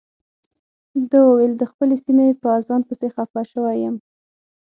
ده وویل د خپلې سیمې په اذان پسې خپه شوی یم.